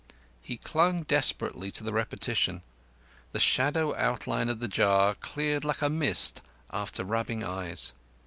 He clung desperately to the repetition. The shadow outline of the jar cleared like a mist after rubbing eyes.